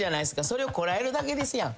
それをこらえるだけですやん。